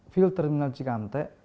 fuel terminal cikampek